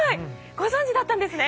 ご存じだったんですね！